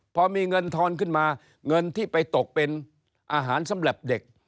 พอมีเงินทอนขึ้นมาเงินที่ไปตกเป็นอาหารสำหรับเด็ก